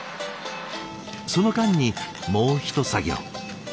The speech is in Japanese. その間にもうひと作業。